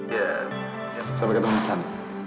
ya sampai ketemu di sana